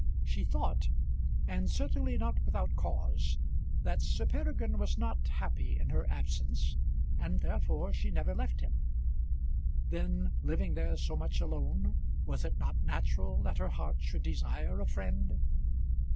She thought, and certainly not without cause, that Sir Peregrine was not happy in her absence, and therefore she never left him. Then, living there so much alone, was it not natural that her heart should desire a friend?